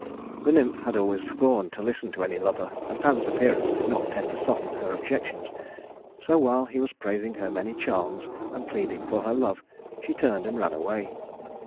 The nymph had always scorned to listen to any lover, and Pan's appearance did not tend to soften her objections; so while he was praising her many charms and pleading for her love, she turned and ran away.